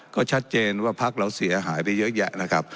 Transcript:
ก็ชัดเจนว่าพักเราเสียหายไปเยอะแยะนะครับ